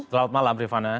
selamat malam rifana